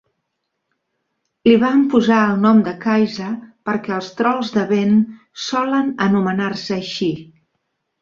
Li van posar el nom de "Kajsa" perquè els trols de vent solen anomenar-se així.